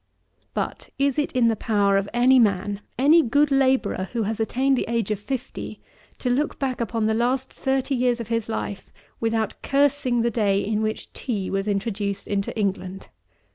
33. But is it in the power of any man, any good labourer, who has attained the age of fifty, to look back upon the last thirty years of his life, without cursing the day in which tea was introduced into England?